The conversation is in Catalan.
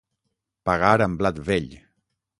Pagar amb blat vell.